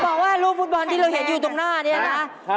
บอกว่ารูปฟุตบอลที่เราเห็นอยู่ตรงหน้านี้นะ